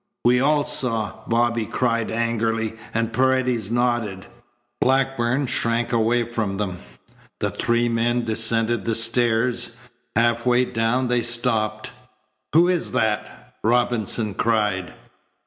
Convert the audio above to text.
"We all saw," Bobby cried angrily, and Paredes nodded. Blackburn shrank away from them. The three men descended the stairs. Half way down they stopped. "Who is that?" Robinson cried.